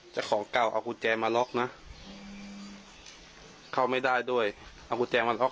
เจ้าของเก่าเอากุญแจมาล็อกนะเข้าไม่ได้ด้วยเอากุญแจมาล็อก